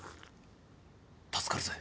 助かるぜ。